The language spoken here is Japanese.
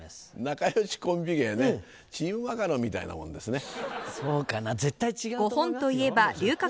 仲良しコンビ芸ねチームマカロンみたいなもんですね。